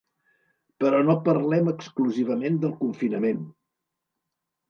Però no parlem exclusivament del confinament.